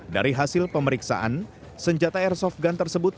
dari hasil pemeriksaan senjata air shotgun tersebut